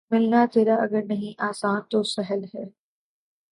ملنا تیرا اگر نہیں آساں‘ تو سہل ہے